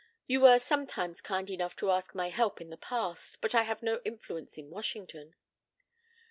You were sometimes kind enough to ask my help in the past, but I have no influence in Washington."